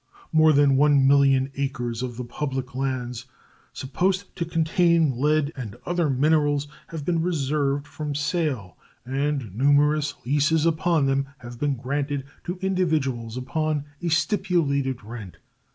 More than 1,000,000 acres of the public lands, supposed to contain lead and other minerals, have been reserved from sale, and numerous leases upon them have been granted to individuals upon a stipulated rent.